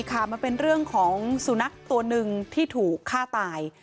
ค่ะมันเป็นเรื่องของสุนัขตัวหนึ่งที่ถูกฆ่าตาย